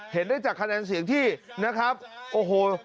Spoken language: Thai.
เห็นได้จากคะแนนเสียงที่นะครับโอ้โห